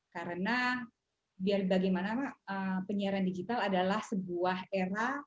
karena bagaimana mbak penyiaran digital adalah sebuah era